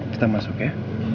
kita masuk ya